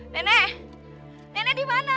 nenek nenek dimana